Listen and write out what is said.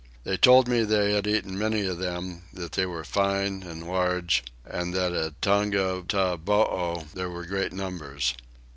They told me that they had eaten many of them, that they were fine and large, and that at Tongataboo there were great numbers.